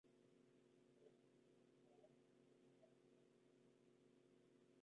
Era el punto de entrada de los barcos al Orinoco.